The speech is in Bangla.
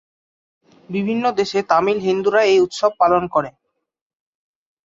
বিভিন্ন দেশে তামিল হিন্দুরা এই উৎসব পালন করে।